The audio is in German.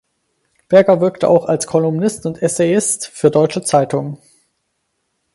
Berger wirkte auch als Kolumnist und Essayist für deutsche Zeitungen.